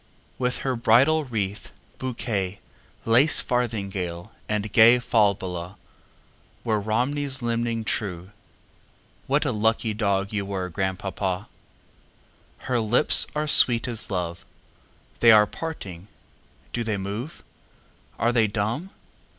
With her bridal wreath, bouquet, Lace farthingale, and gayFalbala, Were Romney's limning true, What a lucky dog were you, Grandpapa! Her lips are sweet as love; They are parting! Do they move? Are they dumb?